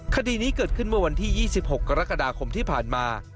คดีนี้เกิดขึ้นเมื่อวันที่๒๖กรกฎาคมที่ผ่านมา